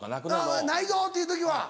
あぁ「ないぞ」っていう時は？